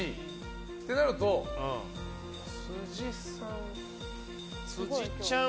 ってなると辻さん。